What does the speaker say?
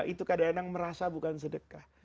itu kadang kadang merasa bukan sedekah